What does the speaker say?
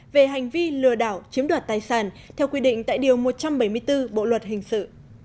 về hành vi lừa đảo chiếm đoạt tài sản theo quy định tại điều một trăm bảy mươi bốn bộ luật hình sự